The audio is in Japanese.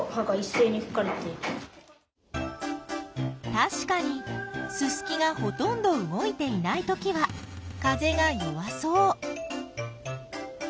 たしかにススキがほとんど動いていないときは風が弱そう。